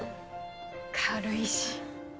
軽いし。